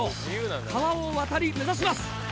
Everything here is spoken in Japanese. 川を渡り目指します。